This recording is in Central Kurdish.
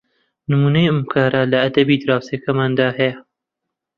نمونەی ئەم کارە لە ئەدەبی دراوسێکانماندا هەیە